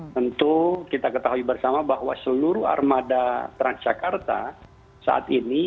tentu kita ketahui bersama bahwa seluruh armada transjakarta saat ini